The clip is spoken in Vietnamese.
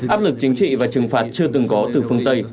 áp lực chính trị và trừng phạt chưa từng có từ phương tây